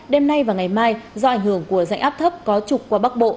đêm nay và ngày mai do ảnh hưởng của dạnh áp thấp có trục qua bắc bộ